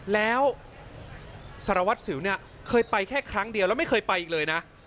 แล้วสารวัตรสิวเนี่ยเคยไปแค่ครั้งเดียวแล้วไม่เคยไปอีกเลยนะ